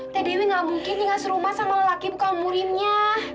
teh dewi gak mungkin tinggal di rumah sama lelaki bukan murimnya